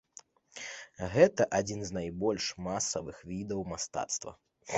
Гэта адзін з найбольш масавых відаў мастацтва.